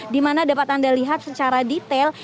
di mana dapat anda lihat secara detail